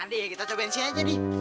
nah deh kita cobain sini aja dee